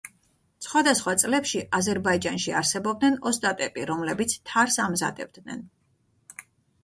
სხვადასხვა წლებში აზერბაიჯანში არსებობდნენ ოსტატები, რომლებიც თარს ამზადებდნენ.